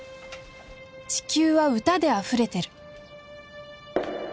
地球は歌であふれてる